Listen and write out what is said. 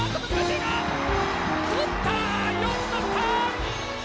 よく捕った！